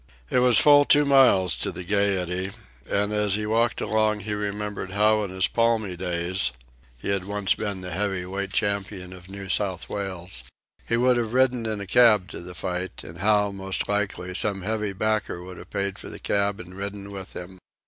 It was full two miles to the Gayety, and as he walked along he remembered how in his palmy days he had once been the heavyweight champion of New South Wales he would have ridden in a cab to the fight, and how, most likely, some heavy backer would have paid for the cab and ridden with him.